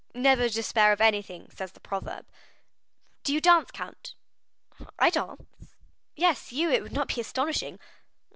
"'Never despair of anything,' says the proverb." "Do you dance, count?" "I dance?" "Yes, you; it would not be astonishing."